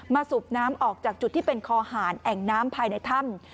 สูบน้ำออกจากจุดที่เป็นคอหารแอ่งน้ำภายในถ้ำ